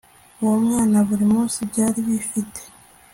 uwo mwana buri munsi byari bifite